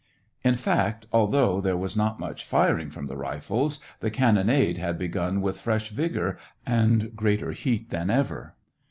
In fact, although there was not much firing from the rifles, the cannonade had begun with fresh vigor and greater heat than ever.